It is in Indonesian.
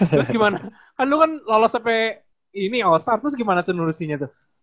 terus gimana kan lu kan lolos sampai ini awal start terus gimana tuh nurusinnya